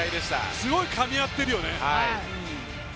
すごい、かみ合ってるよね。